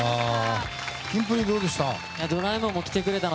キンプリ、どうでした？